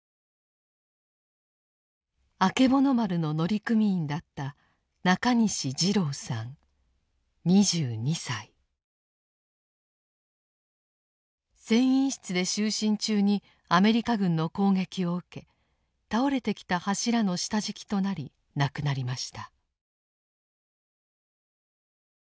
あけぼの丸の乗組員だった船員室で就寝中にアメリカ軍の攻撃を受け倒れてきた柱の下敷きとなり亡くなりました。